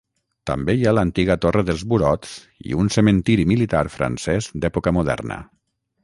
També hi ha l'antiga torre dels burots i un cementiri militar francès d'època moderna.